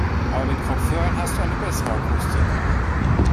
Aber mit Kopfhörern hast du eine bessere Akustik.